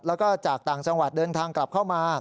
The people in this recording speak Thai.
แล้วก็จากต่างจังหวัดเดินทางกลับเข้ามา